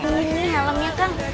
ini helmnya kang